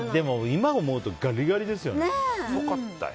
今思うとガリガリですよ。